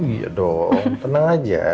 iya dong tenang aja